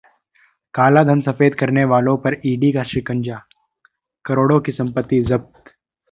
काला धन सफेद करने वालों पर ईडी का शिकंजा, करोड़ों की संपत्ति जब्त